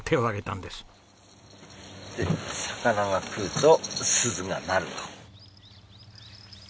で魚が来ると鈴が鳴ると。